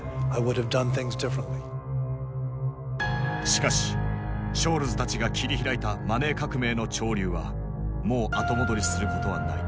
しかしショールズたちが切り開いたマネー革命の潮流はもう後戻りすることはない。